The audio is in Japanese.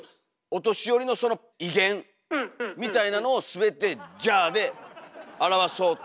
お年寄りのその威厳みたいなのを全て「じゃ」で表そうと。